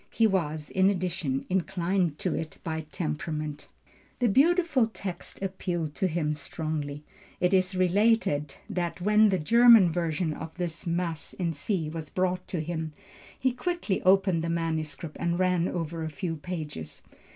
He was, in addition, inclined to it by temperament. The beautiful text appealed to him strongly. It is related that when the German version of his first Mass (in C) was brought him, he quickly opened the manuscript and ran over a few pages.